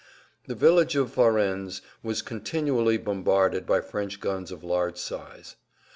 The village of Varennes was continually bombarded by French guns of large size.